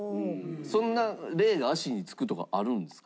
そんな霊が足につくとかあるんですか？